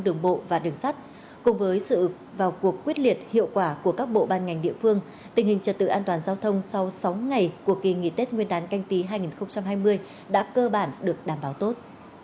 đường bộ và đường sắt cùng với sự vào cuộc quyết liệt hiệu quả của các bộ ban ngành địa phương tình hình trật tự an toàn giao thông sau sáu ngày của kỳ nghỉ tết nguyên đán canh tí hai nghìn hai mươi đã cơ bản được đảm bảo tốt